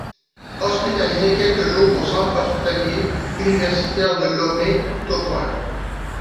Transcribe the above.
Hospitalisé quelques jours au Centre Hospitalier Universitaire de Lomé Tokoin.